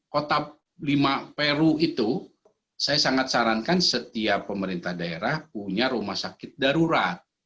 kota lima peru itu saya sangat sarankan setiap pemerintah daerah punya rumah sakit darurat